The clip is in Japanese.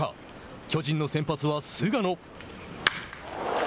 巨人の先発は菅野。